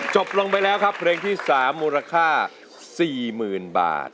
จบลงไปแล้วครับเพลงที่๓มูลค่า๔๐๐๐บาท